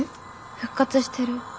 復活してる。